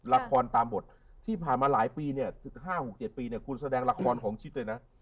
ละครตามบทที่ผ่านมาหลายปีเนี่ย๕๖๗ปีเนี่ยคุณแสดงละครของชิดเลยนะ